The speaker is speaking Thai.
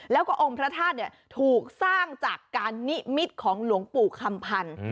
แล้วก็องค์พระธาตุถูกสร้างจากการนิมิตของหลวงปู่คำพันธ์